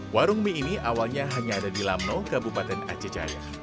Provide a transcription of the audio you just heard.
warung mie ini awalnya hanya ada di lamno kabupaten acejaya